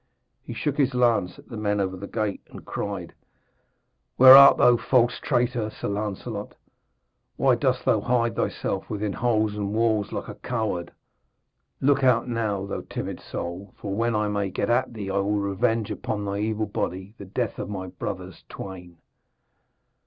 He shook his lance at the men over the gate, and cried: 'Where art thou, false traitor, Sir Lancelot? Why dost thou hide thyself within holes and walls like a coward? Look out now, thou timid soul, for when I may get at thee I will revenge upon thy evil body the death of my brothers twain.'